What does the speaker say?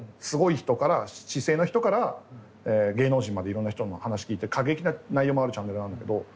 すごい人から市井の人から芸能人までいろんな人の話聞いて過激な内容もあるチャンネルなんだけど。